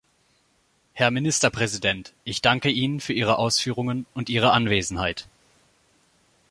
Herr Ministerpräsident, ich danke Ihnen für Ihre Ausführungen und Ihre Anwesenheit.